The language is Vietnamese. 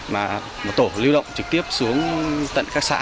mà một tổ lưu động trực tiếp xuống tận các xã